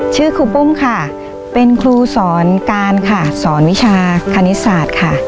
ชื่อคุณปุ้มคะเป็นครูสอนการสอนวิชาคณิตศาสตร์